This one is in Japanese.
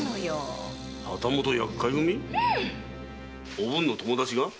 おぶんの友達が？